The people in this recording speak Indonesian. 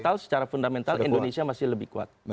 atau secara fundamental indonesia masih lebih kuat